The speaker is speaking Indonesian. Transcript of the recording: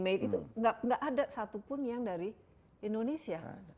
enggak ada satupun yang dari indonesia